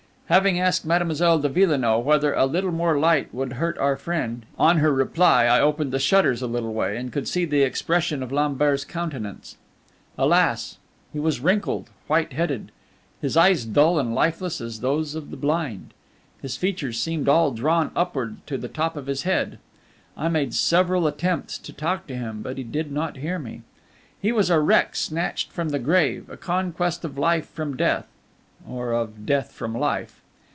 Having asked Mademoiselle de Villenoix whether a little more light would hurt our friend, on her reply I opened the shutters a little way, and could see the expression of Lambert's countenance. Alas! he was wrinkled, white headed, his eyes dull and lifeless as those of the blind. His features seemed all drawn upwards to the top of his head. I made several attempts to talk to him, but he did not hear me. He was a wreck snatched from the grave, a conquest of life from death or of death from life!